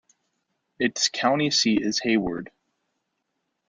Its county seat is Hayward.